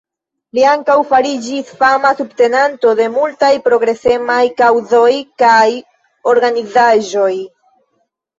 Li ankaŭ fariĝis fama subtenanto de multaj progresemaj kaŭzoj kaj organizaĵoj.